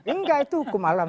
enggak itu hukum alam